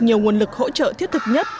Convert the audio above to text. nhiều nguồn lực hỗ trợ thiết thực nhất